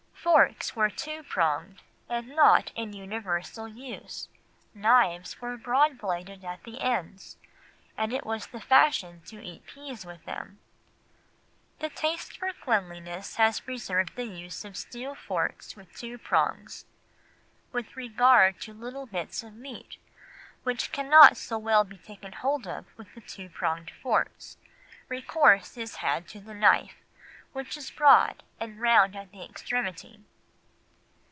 Forks were two pronged and not in universal use; knives were broad bladed at the ends, and it was the fashion to eat peas with them. "The taste for cleanliness has preserved the use of steel forks with two prongs.... With regard to little bits of meat, which cannot so well be taken hold of with the two pronged forks, recourse is had to the knife, which is broad and round at the extremity."